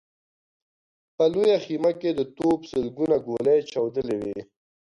په لويه خيمه کې د توپ سلګونه ګولۍ چاودلې وې.